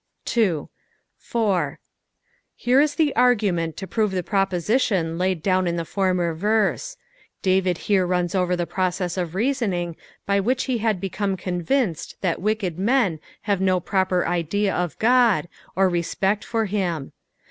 3. ^' Far." Here is the argument to prove the proposition laid down in the former verse. David here runs over the process of reasoning by which be had become convinced that wicked men have no proper idea of God or respect for him.